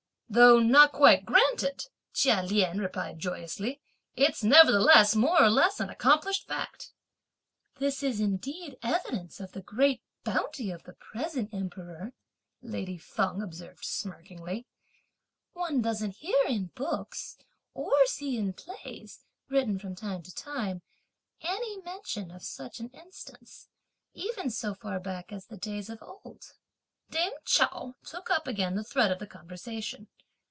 "Though not quite granted," Chia Lien replied joyously, "it's nevertheless more or less an accomplished fact." "This is indeed evidence of the great bounty of the present Emperor!" lady Feng observed smirkingly; "one doesn't hear in books, or see in plays, written from time to time, any mention of such an instance, even so far back as the days of old!" Dame Chao took up again the thread of the conversation.